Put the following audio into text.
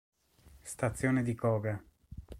Stazione di Koga